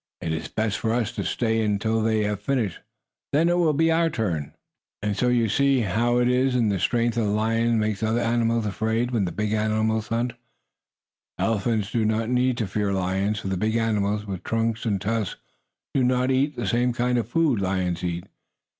It is best for us to stay in until they have finished. Then it will be our turn." And so you see how it is that the strength of a lion makes the other animals afraid when the big animals hunt. Elephants do not need to fear lions, for the big animals, with trunks and tusks, do not eat the same kind of food lions eat.